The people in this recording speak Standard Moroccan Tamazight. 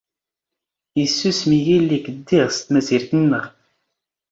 ⵉⵙⵙⵓⵙⵎ ⵉⵢⵉ ⵍⵍⵉⴳ ⴷⴷⵉⵖ ⵙ ⵜⵎⴰⵣⵉⵔⵜ ⵏⵏⵖ.